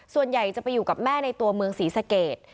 ส่วนใหญ่จะไปอยู่กับแม่ในตัวเมืองศรีสเกต